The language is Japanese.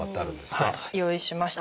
用意しました。